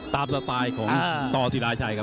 ตามสภายของตศิราชัยครับ